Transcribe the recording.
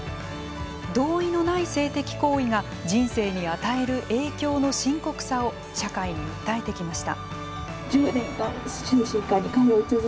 同意のない性的行為が人生に与える影響の深刻さを社会に訴えてきました。